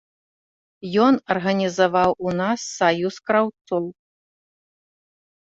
Ён арганізаваў у нас саюз краўцоў.